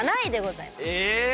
え！